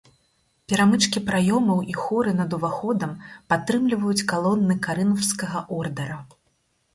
Перамычкі праёмаў і хоры над уваходам падтрымліваюць калоны карынфскага ордара.